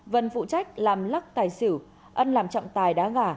vân phụ trách làm lắc tài xỉu ân làm trọng tài đá gà